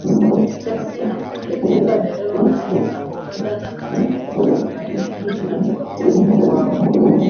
teksi na kumwelekeza dereva mahali ninapokwenda na kama dakika arobaini hivi nafika hotelini kwao